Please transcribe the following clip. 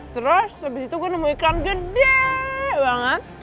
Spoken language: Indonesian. terus abis itu gue nemu iklan gede banget